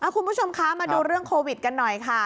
คุณผู้ชมคะมาดูเรื่องโควิดกันหน่อยค่ะ